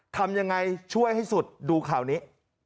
ทำยังไงช่วยให้สุดดูข่าวนี้